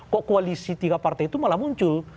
kok koalisi tiga partai itu malah muncul